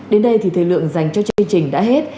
đến đây thì thời lượng dành cho chương trình đã hết